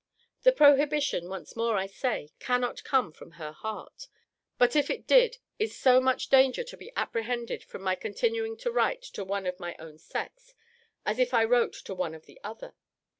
The prohibition, once more I say, cannot come from her heart: But if it did, is so much danger to be apprehended from my continuing to write to one of my own sex, as if I wrote to one of the other?